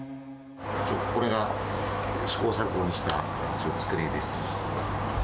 これが試行錯誤したつくねです。